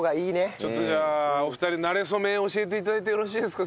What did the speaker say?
ちょっとじゃあお二人なれ初め教えて頂いてよろしいですか？